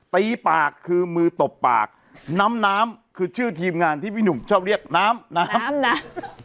ตีปากคือมือตบปากน้ำน้ำคือชื่อทีมงานที่พี่หนุ่มชอบเรียกน้ำน้ำน้ำนะ